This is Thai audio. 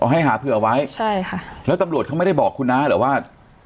ให้หาเผื่อไว้ใช่ค่ะแล้วตำรวจเขาไม่ได้บอกคุณน้าเหรอว่า